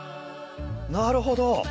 なるほど！